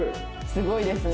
すごいですね。